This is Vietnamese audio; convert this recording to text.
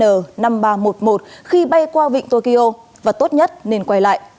l năm nghìn ba trăm một mươi một khi bay qua vịnh tokyo và tốt nhất nên quay lại